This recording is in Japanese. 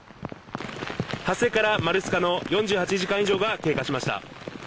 発生から丸２日の４８時間以上が経過しました。